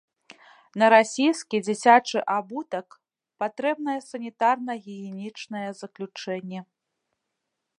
На расійскі дзіцячы абутак патрэбнае санітарна-гігіенічнае заключэнне.